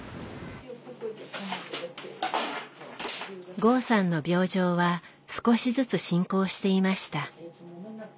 剛さんの病状は少しずつ進行していました。